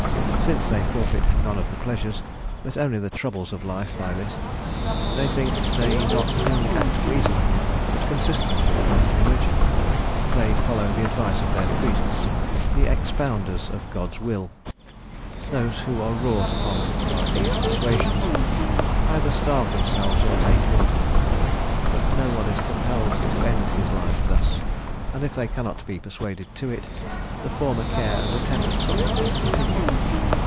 Since they forfeit none of the pleasures, but only the troubles of life by this, they think they not only act reasonably, but consistently with religion; for they follow the advice of their priests, the expounders of God's will. Those who are wrought upon by these persuasions, either starve themselves or take laudanum. But no one is compelled to end his life thus; and if they cannot be persuaded to it, the former care and attendance on it is continued.